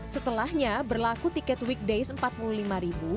setelahnya berlaku tiket weekdays rp empat puluh lima